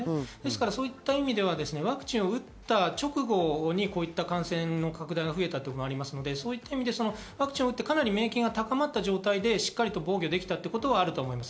そういった意味ではワクチンを打った直後に感染拡大が増えた所もありますので、ワクチンを打って免疫が高まったところで、しっかり防御できたということもあると思います。